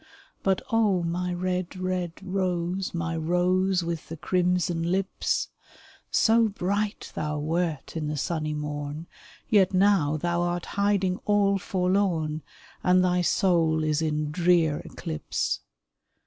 But O, my red, red Rose ! My Rose with the crimson lips ! So bright thou wert in the sunny morn, Yet now thou art hiding all forlorn, And thy soul is in drear eclipse